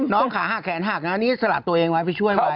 น้องขาหักแขนหักนะนี่จะสระตัวเองไว้ฟิชั่วยไว้